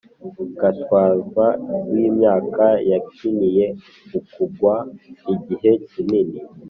gatwaza w’imyaka yakiniye mukugwa igihe kinini